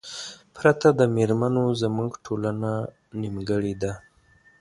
پرته د میرمنو زمونږ ټولنه نیمګړې ده